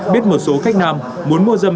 biết một số khách nam muốn mua dâm